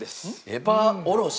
エバーおろし？